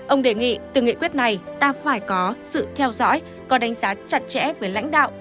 ông đề nghị từ nghị quyết này ta phải có sự theo dõi có đánh giá chặt chẽ với lãnh đạo